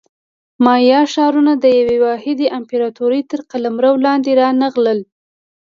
مایا ښارونه د یوې واحدې امپراتورۍ تر قلمرو لاندې رانغلل.